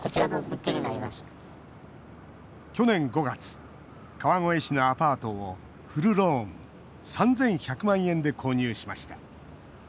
去年５月川越市のアパートをフルローン３１００万円で購入しました。